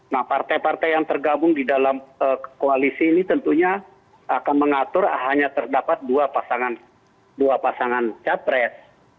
nah partai partai yang tergabung di dalam koalisi ini tentunya akan mengatur hanya terdapat dua pasangan capres